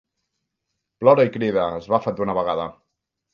Plora i crida: esbafa't d'una vegada!